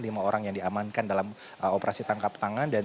lima orang yang diamankan dalam operasi tangkap tangan